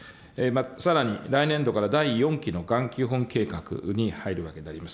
さらに来年度から第４期のがん基本計画に入るわけであります。